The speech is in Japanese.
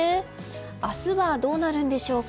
明日はどうなるんでしょうか。